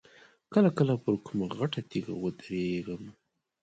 کله کله پر کومه غټه تیږه ودرېږم.